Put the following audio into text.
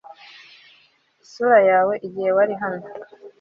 isura yawe igihe wari hano